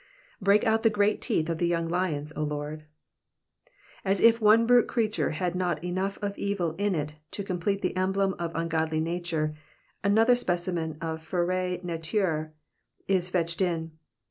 ''''Break out the great teeth of the young lions, 0 Lardy As if one brute creature had not enough of evil in it to complete the emblem of ungodly nature, another specimen of fera natures is fetched in.